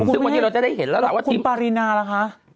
คุณแม่คุณปารีนาล่ะคะมงคลกฤษวันนี้เราจะได้เห็นแล้วล่ะว่าทีม